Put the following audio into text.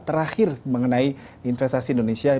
terakhir mengenai investasi indonesia